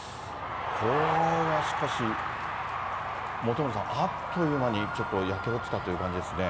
これはしかし、本村さん、あっというまに焼け落ちたという感じですね。